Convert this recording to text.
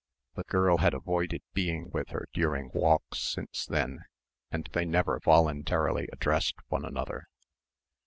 The girl had avoided being with her during walks since then, and they never voluntarily addressed one another.